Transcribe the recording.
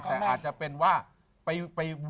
แต่อาจจะเป็นว่าไปเวียนเกิดแล้ว